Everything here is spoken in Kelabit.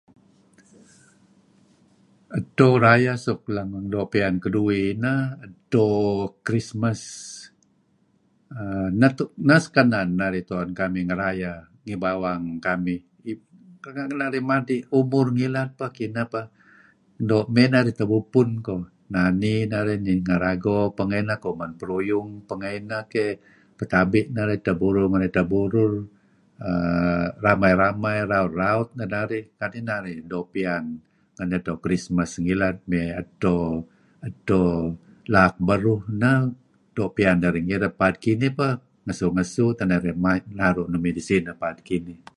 Edto rayeh suk leng-leng doo' pian keduih ineh Edto Krismas. Errr... neh tu', neh sekenan narih tu'en ngerayeh ngih bawang kamih. ...nga' narih madi' ngih Pumur ngilad kineh teh. Do' mey narih tebubpun ko', nani nari. ninger ago, pengeh ineh kuman peruyung. pengeh ineh keyh petabi' neh narih edteh burur ngen edteh burur, err... ramai-ramai, raut-raut neh narih kadi' neh narih doo' pian ngen edto Krismas ngilad mey Edto... Edto Laak Beruh. Neh doo' pian .narih ngilad. Paad kinih peh ngesu-ngesu teh narih naru' nuk midih sineh paad kinih.